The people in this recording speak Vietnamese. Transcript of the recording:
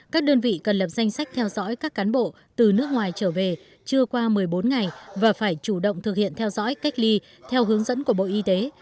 các đơn vị cần lập danh sách theo dõi các cán bộ từ nước ngoài trở về trưa qua một mươi bốn ngày và phải chủ động thực hiện theo dõi cách ly theo hướng dẫn của bộ y tế